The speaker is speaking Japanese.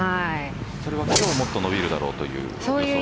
それは今日もっと伸びるだろうという予想ですか？